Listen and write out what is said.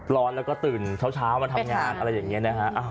ร้อนแล้วก็ตื่นเช้ามาทำงานอะไรแบบนี้